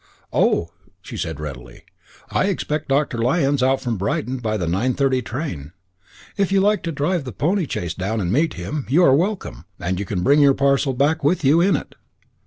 "Oh!" said she, readily, "I expect Dr. Lyons out from Brighton by the 9.30 train; if you like to drive the pony chaise down and meet him, you are welcome, and you can bring your parcel back with you in it."